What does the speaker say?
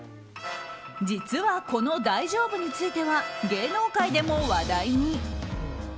実は、この「大丈夫」については芸能界でも話題に。